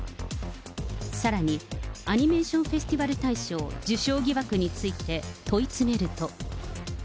さらに、アニメーションフェスティバル大賞受賞疑惑について問い詰めると。